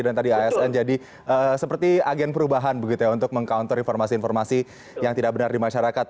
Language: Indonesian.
dan tadi asn jadi seperti agen perubahan begitu ya untuk meng counter informasi informasi yang tidak benar di masyarakat